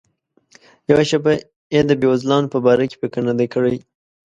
یوه شیبه یې د بېوزلانو په باره کې فکر نه دی کړی.